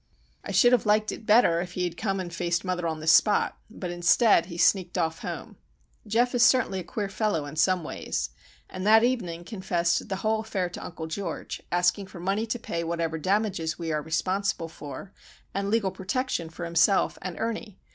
I should have liked it better if he had come and faced mother on the spot; but instead he sneaked off home,—Geof is certainly a queer fellow in some ways,—and that evening confessed the whole affair to Uncle George, asking for money to pay whatever damages we are responsible for, and legal protection for himself and Ernie.